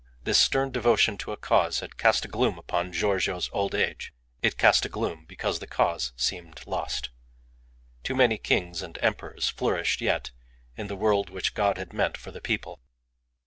This stern devotion to a cause had cast a gloom upon Giorgio's old age. It cast a gloom because the cause seemed lost. Too many kings and emperors flourished yet in the world which God had meant for the people.